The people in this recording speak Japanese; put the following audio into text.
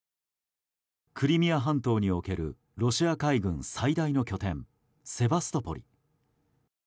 クリミア半島におけるロシア海軍最大の拠点セバストポリ。